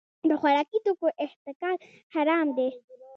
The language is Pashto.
د خوراکي توکو احتکار حرام دی.